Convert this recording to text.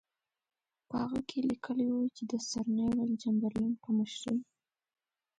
په هغه کې یې لیکلي وو چې د سر نیویل چمبرلین په مشرۍ.